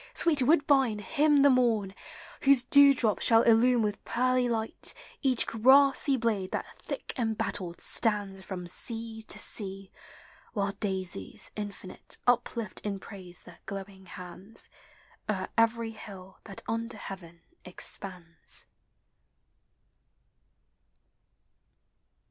sweet woodbine, hymn the morn, Whose dewdrops shall illume with pearly light Each grassy blade that thick embattled stands From sea to sea, while daisies infinite Uplift in praise their glowing hands, O'er every hill that under heaven expands.